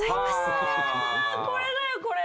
うわこれだよこれ！